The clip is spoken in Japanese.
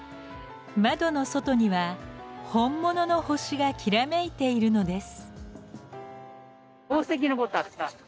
窓の外には本物の星がきらめいているのです。